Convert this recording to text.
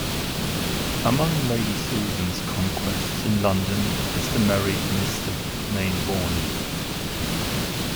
Among Lady Susan's conquests in London is the married Mr. Mainwaring.